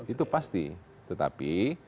itu pasti tetapi